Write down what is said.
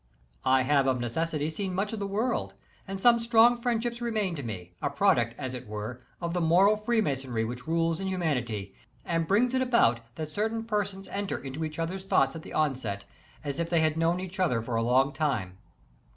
I have of necessity seen much of the world, and some strong friendships remain to me, a product, as it were, of the moral freemasonry which rules in humanity, and brings it about that certain persons enter into each other's thoughts at the outset, as if they had known each other for a long time.